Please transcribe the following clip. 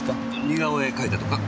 似顔絵描いたとか？